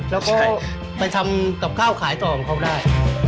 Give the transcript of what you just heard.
แล้วก็ไปทำกับข้าวขายต่อของเขาได้